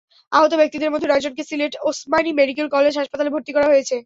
আহত ব্যক্তিদের মধ্যে নয়জনকে সিলেট ওসমানী মেডিকেল কলেজ হাসপাতালে ভর্তি করা হয়েছে।